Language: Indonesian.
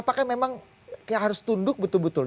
apakah memang yang harus tunduk betul betul